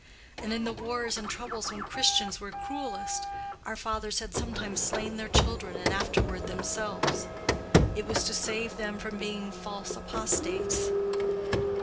And in the wars and troubles when Christians were cruelest, our fathers had sometimes slain their children and afterward themselves: it was to save them from being false apostates.